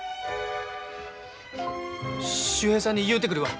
秀平さんに言うてくるわ。